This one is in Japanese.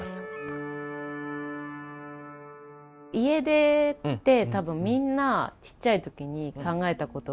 家出って多分みんなちっちゃい時に考えたことがあったり